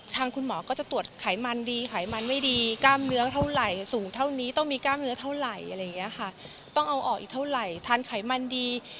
ทางคุณหมอก็จะตรวจไขมันดีไขมันไม่ดีกล้ามเนื้อเท่าไหร่สูงเท่านี้ต้องมีกล้ามเนื้อเท่าไหร่อะไรอย่างนี้ค่ะต้องเอาออกอีกเท่าไหร่ทานไขมันดี